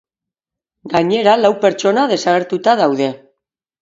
Gainera, lau pertsona desagertuta daude.